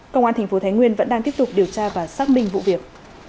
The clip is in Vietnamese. công an tp thái nguyên vẫn đang tiếp tục điều tra và xác minh vụ việc